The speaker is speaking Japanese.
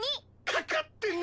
「かかってねえ！」